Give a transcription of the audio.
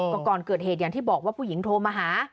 ก็ก่อนเกิดเหตุอย่างที่บอกว่าผู้หญิงโทรมาหา